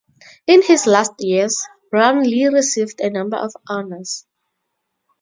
In his last years, Brownlee received a number of honours.